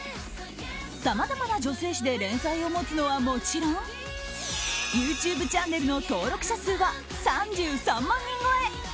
さまざまな女性誌で連載を持つのはもちろんＹｏｕＴｕｂｅチャンネルの登録者数は３３万人超え。